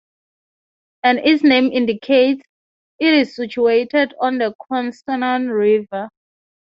As its name indicates, it is situated on the Couesnon River.